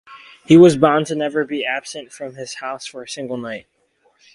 He was bound to never be absent from his house for a single night.